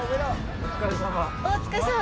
お疲れさまです。